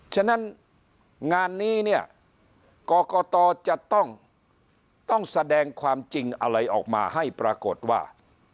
ฉะนั้นงานนี้เนี่ยกรกตจะต้องแสดงความจริงอะไรออกมาให้ปรากฏว่า